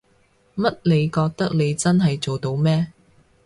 乜你覺得你真係做到咩？